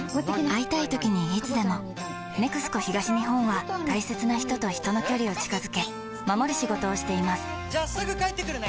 会いたいときにいつでも「ＮＥＸＣＯ東日本」は大切な人と人の距離を近づけ守る仕事をしていますじゃあすぐ帰ってくるね！